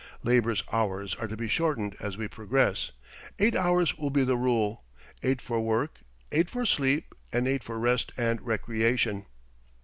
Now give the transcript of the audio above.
Labor's hours are to be shortened as we progress. Eight hours will be the rule eight for work, eight for sleep, and eight for rest and recreation.